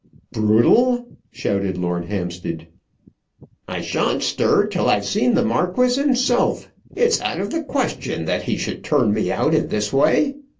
"Brutal!" shouted Lord Hampstead. "I shan't stir till I've seen the Marquis himself. It's out of the question that he should turn me out in this way.